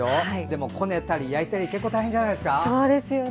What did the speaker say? でも、こねたり焼いたり大変じゃないですか。